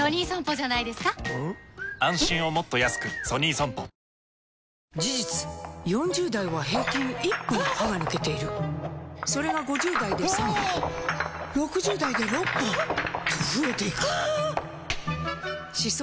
カルビー「ポテトデラックス」ＮＥＷ事実４０代は平均１本歯が抜けているそれが５０代で３本６０代で６本と増えていく歯槽